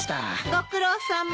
ご苦労さま。